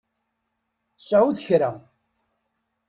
Sɛut kra.